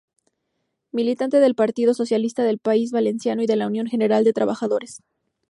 Militante del Partido Socialista del País Valenciano y de la Unión General de Trabajadores.